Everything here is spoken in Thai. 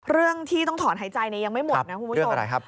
เรื่องที่ต้องถอนหายใจยังไม่หมดนะคุณผู้ชม